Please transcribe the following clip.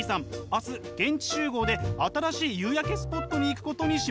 明日現地集合で新しい夕焼けスポットに行くことにしました。